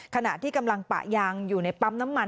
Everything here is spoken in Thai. ขณะที่กำลังปะยางอยู่ในปั๊มน้ำมัน